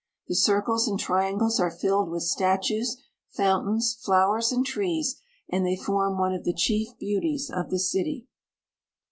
The circles and triangles are filled with statues, fountains, flowers, and trees, and they form one of the chief beauties of the city.